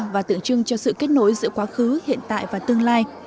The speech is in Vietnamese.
và tượng trưng cho sự kết nối giữa quá khứ hiện tại và tương lai